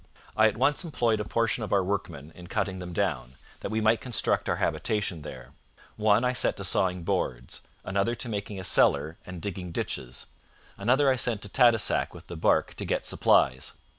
I at once employed a portion of our workmen in cutting them down, that we might construct our habitation there: one I set to sawing boards, another to making a cellar and digging ditches, another I sent to Tadoussac with the barque to get supplies.